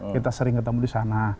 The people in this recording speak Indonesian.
kita sering ketemu di sana